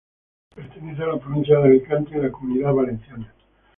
Pertenece a la provincia de Alicante en la Comunidad Valenciana.